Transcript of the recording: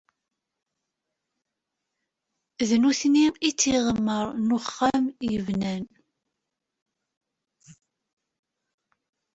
D nutni i d tiɣemmar n uxxam i yebnan.